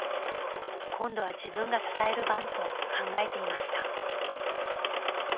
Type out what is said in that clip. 今度は自分が支える番と考えていました。